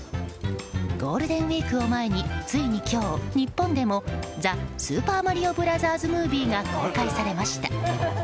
ゴールデンウィークを前についに今日、日本でも「ザ・スーパーマリオブラザーズ・ムービー」が公開されました。